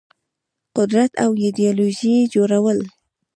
قدرت او ایدیالوژيو جوړول